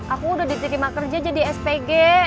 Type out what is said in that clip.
aku udah diterima kerja jadi spg